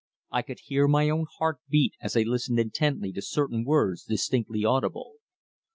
I could hear my own heart beat as I listened intently to certain words distinctly audible.